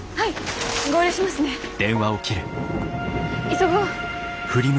急ごう。